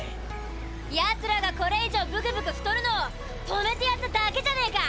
ヤツらがこれ以上ブクブク太るのを止めてやっただけじゃねえか！